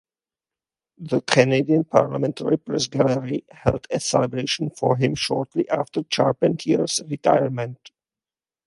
The Canadian Parliamentary Press gallery held a celebration for him shortly after Charpentier's retirement.